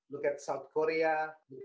korea selatan vietnam